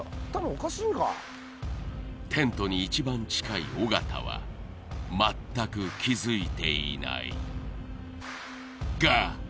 おかしいんかテントに一番近い尾形はまったく気づいていないが！